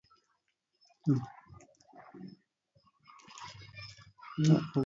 أدعوك بالرحم التي هي جمعت